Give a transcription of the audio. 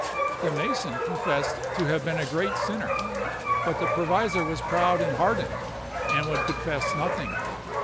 The mason confessed to have been a great sinner, but the provisor was proud and hardened, and would confess nothing.